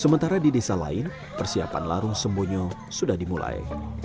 sementara di desa lain persiapan larung sembonyo sudah dimulai